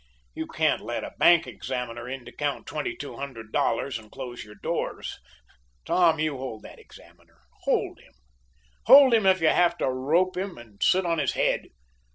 You can't let a bank examiner in to count $2,200 and close your doors. Tom, you hold that examiner. Hold him. Hold him if you have to rope him and sit on his head.